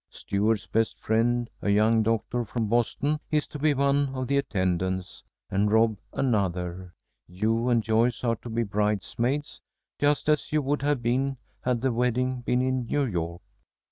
Stuart's best friend, a young doctor from Boston, is to be one of the attendants, and Rob another. You and Joyce are to be bridesmaids, just as you would have been had the wedding been in New York.